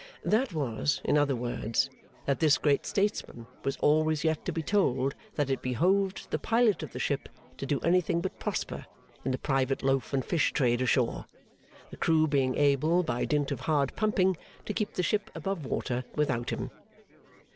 That was, in other words, that this great statesman was always yet to be told that it behoved the Pilot of the ship to do anything but prosper in the private loaf and fish trade ashore, the crew being able, by dint of hard pumping, to keep the ship above water without him.